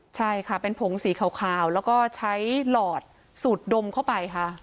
ใช่ค่ะเป็นผงสีขาวแล้วก็ใช้หลอดสูดดมเข้าไปค่ะ